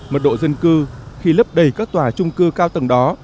mật độ dân cư khi lấp đầy các tòa trung cư cao tầng đó